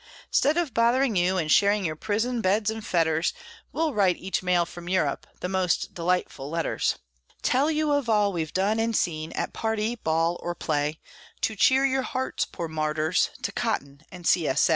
'Stead of bothering you, and sharing your prison beds and fetters, We'll write each mail from Europe the most delightful letters; Tell you of all we've done and seen, at party, ball, or play, To cheer your hearts, poor martyrs, to cotton and C. S.